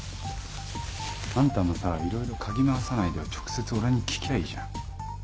あんたもさいろいろかぎ回さないで直接俺に聞きゃあいいじゃん。